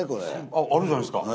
あっあるじゃないですか。